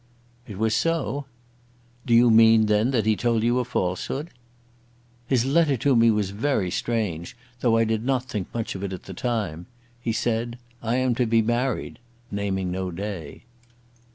"It was so." "Do you mean, then, that he told you a falsehood?" "His letter to me was very strange, though I did not think much of it at the time. He said, 'I am to be married' naming no day."